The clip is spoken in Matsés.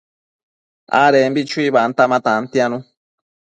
adembi chuibanta ma tantianu